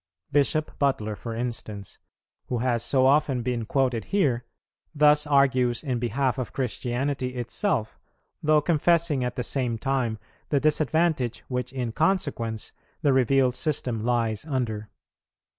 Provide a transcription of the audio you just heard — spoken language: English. Bishop Butler, for instance, who has so often been quoted here, thus argues in behalf of Christianity itself, though confessing at the same time the disadvantage which in consequence the revealed system lies under.